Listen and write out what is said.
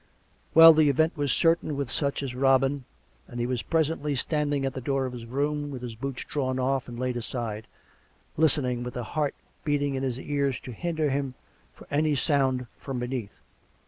... Well, the event was certain with such as Robin, and he was presently standing at the door of his room, his boots drawn off and laid aside, lisrtening, with a heart beating in his ears to hinder him, for any sound from beneath.